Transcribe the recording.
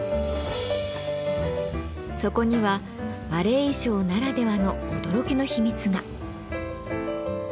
そこにはバレエ衣装ならではの驚きの秘密が。